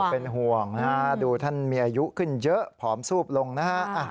เป็นห่วงนะฮะดูท่านมีอายุขึ้นเยอะผอมซูบลงนะฮะ